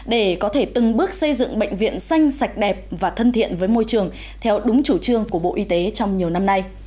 để có thể từng bước xây dựng bệnh viện xanh sạch đẹp và thân thiện với môi trường theo đúng chủ trương của bộ y tế trong nhiều năm nay